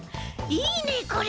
いいねこれ！